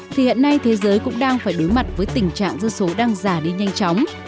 thì hiện nay thế giới cũng đang phải đối mặt với tình trạng dân số đang già đi nhanh chóng